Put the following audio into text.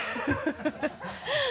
ハハハ